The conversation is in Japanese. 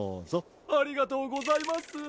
ありがとうございます。